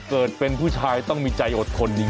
เกิดเป็นผู้ชายต้องมีใจอดทนจริง